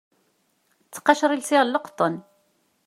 Ttqacer i lsiɣ n leqṭen.